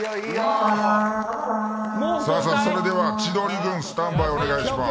それでは千鳥軍スタンバイをお願いします。